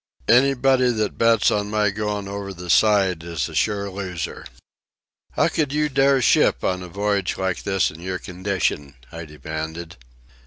Anybody that bets on my going over the side is a sure loser." "How could you dare ship on a voyage like this in your condition?" I demanded.